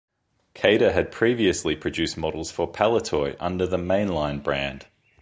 Kader had previously produced models for Palitoy under the 'Mainline' brand.